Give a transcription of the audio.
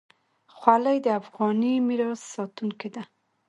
خولۍ د افغاني میراث ساتونکې ده.